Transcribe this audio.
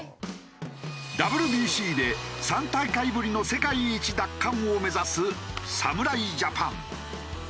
ＷＢＣで３大会ぶりの世界一奪還を目指す侍ジャパン。